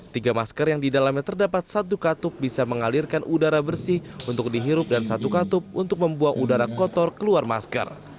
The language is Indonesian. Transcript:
tiga masker yang didalamnya terdapat satu katup bisa mengalirkan udara bersih untuk dihirup dan satu katup untuk membuang udara kotor keluar masker